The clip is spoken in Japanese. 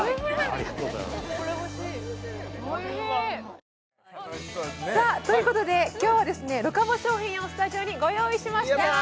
ありがとうございますということで今日はロカボ商品をスタジオにご用意しました！